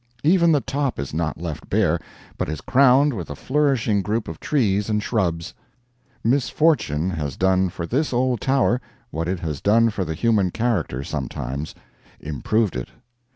Even the top is not left bare, but is crowned with a flourishing group of trees and shrubs. Misfortune has done for this old tower what it has done for the human character sometimes improved it.